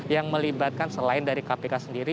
yang melibatkan selain dari kpk sendiri